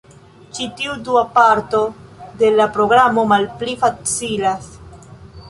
Ĉi tiu dua parto de la programo malpli facilas.